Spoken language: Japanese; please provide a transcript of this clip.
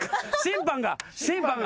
審判が。